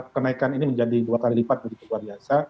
kenaikan ini menjadi dua kali lipat begitu luar biasa